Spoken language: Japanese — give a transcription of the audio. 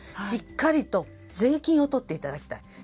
しっかりと税金を取っていただきたい。